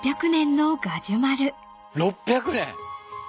６００年！？